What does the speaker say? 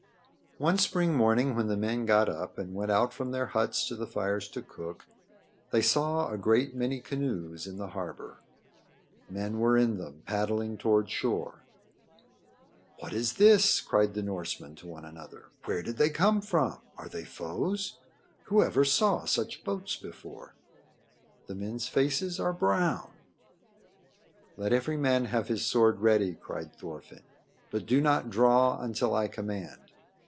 One spring morning when the men got up and went out from their huts to the fires to cook they saw a great many canoes in the harbor. Men were in them paddling toward shore. "What is this?" cried the Norsemen to one another. "Where did they come from? Are they foes? Who ever saw such boats before? The men's faces are brown." "Let every man have his sword ready," cried Thorfinn. "But do not draw until I command.